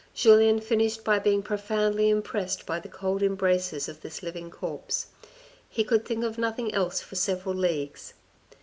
Julien finished by being profoundly impressed by the cold embraces of this living corpse. He could think of nothing else for several leagues.